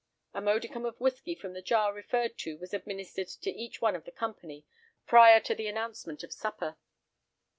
A modicum of whisky from the jar referred to was administered to each one of the company, prior to the announcement of supper.